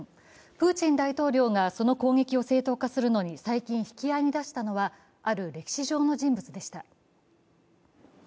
プーチン大統領がその攻撃を正当化するのに引き合いに出したのはある歴史上の人物でした。